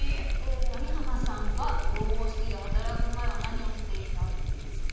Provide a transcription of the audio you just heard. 網浜さんはＧＯＧＯＣＩＴＹで働く前は何をしていたんですか？